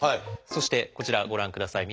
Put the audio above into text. そしてこちらご覧ください。